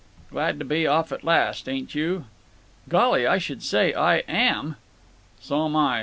"Glad to be off at last, ain't you?" "Golly! I should say I am!" "So'm I.